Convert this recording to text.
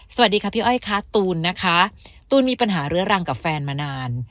สวัสดีค่ะพี่อ้อยค่ะตูนนะคะตูนมีปัญหาเรื้อรังกับแฟนมานาน